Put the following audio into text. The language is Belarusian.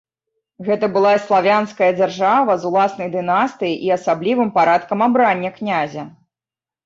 Гэта была славянская дзяржава з уласнай дынастыяй і асаблівым парадкам абрання князя.